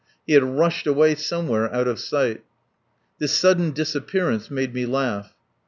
He had rushed away somewhere out of sight. This sudden disappearance made me laugh.